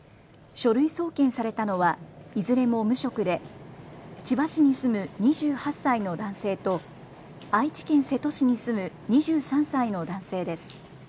書類送検されたのはいずれも無職で千葉市に住む２８歳の男性と愛知県瀬戸市に住む２３歳の男性です。